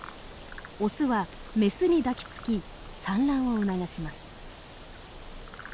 オスはメスに抱きつき産卵を促します。